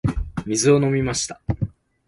水を飲みました。